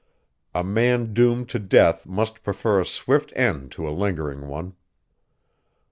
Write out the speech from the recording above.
A man doomed to death must prefer a swift end to a lingering one.